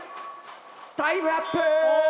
タイムアップ！